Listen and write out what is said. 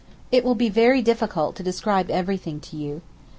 It will be very difficult to describe everything to you.